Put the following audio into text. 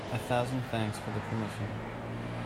A thousand thanks for the permission.